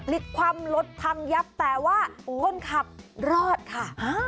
พลิกความลดทางยับแต่ว่าคนขับรอดค่ะ